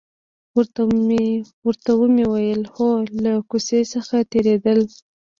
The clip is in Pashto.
ورته ومې ویل: هو، له کوڅې څخه تېرېدل.